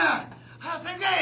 早せんかい！